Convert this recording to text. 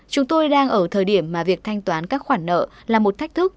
chúng tôi đang ở thời điểm mà việc thanh toán các khoản nợ là một thách thức